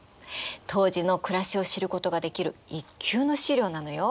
当時の暮らしを知ることができる一級の資料なのよ。